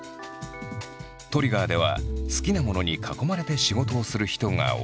ＴＲＩＧＧＥＲでは好きなものに囲まれて仕事をする人が多い。